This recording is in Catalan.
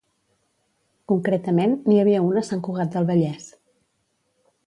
Concretament, n'hi havia un a Sant Cugat del Vallès.